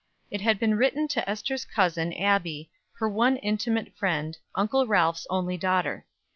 It had been written to Ester's cousin, Abbie, her one intimate friend, Uncle Ralph's only daughter.